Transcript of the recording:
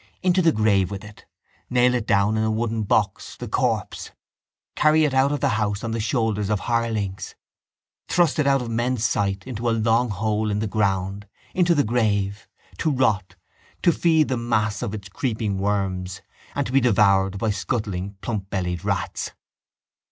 Into the grave with it. Nail it down into a wooden box, the corpse. Carry it out of the house on the shoulders of hirelings. Thrust it out of men's sight into a long hole in the ground, into the grave, to rot, to feed the mass of its creeping worms and to be devoured by scuttling plump bellied rats.